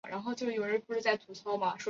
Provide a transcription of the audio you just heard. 和应力一样都是由柯西提出。